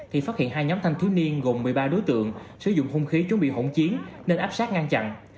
thì phát hiện hai nhóm thanh thiếu niên gồm một mươi ba đối tượng sử dụng hung khí chuẩn bị hỗn chiến nên áp sát ngăn chặn